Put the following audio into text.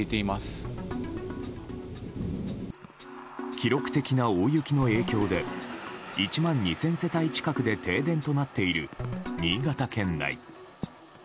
記録的な大雪の影響で１万２０００世帯近くで停電となっている新潟県内。